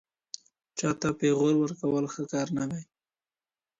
چا ته پېغور ورکول ښه کار نه دی.